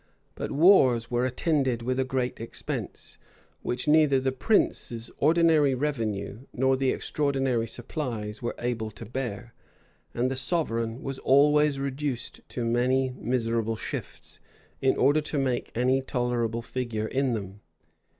But wars were attended with a great expense, which neither the prince's ordinary revenue, nor the extraordinary supplies, were able to bear; and the sovereign was always reduced to many miserable shifts, in order to make any tolerable figure in them.